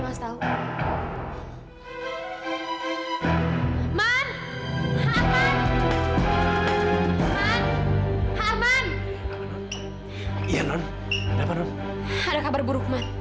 rumahnya rizky kebakaran man